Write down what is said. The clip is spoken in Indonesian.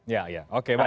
ya ya oke baik